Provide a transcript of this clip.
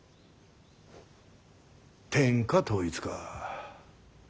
天下統一か。